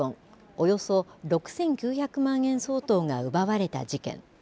およそ６９００万円相当が奪われた事件。